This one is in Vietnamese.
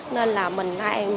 nên là mình